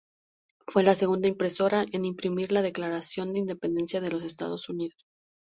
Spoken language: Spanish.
Fue la segunda impresora en imprimir la Declaración de Independencia de los Estados Unidos.